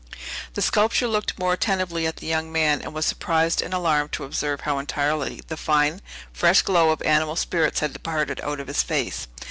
The sculptor looked more attentively at the young man, and was surprised and alarmed to observe how entirely the fine, fresh glow of animal spirits had departed out of his face.